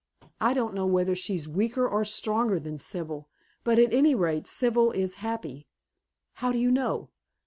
I don't know whether she's weaker or stronger than Sibyl, but at any rate Sibyl is happy " "How do you know?"